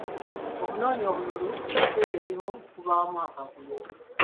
Okunoonya obululu ebiseera ebimu kubaamu akavuyo.